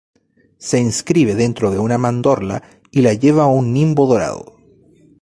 Se inscribe dentro de una mandorla y lleva un nimbo dorado.